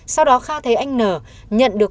sau đó kha thấy anh n nhận được